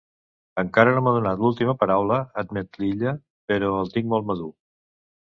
Encara no m'ha donat l'última paraula —admet l'Illa—, però el tinc molt madur.